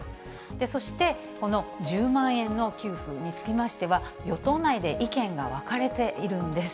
そして、この１０万円の給付につきましては、与党内で意見が分かれているんです。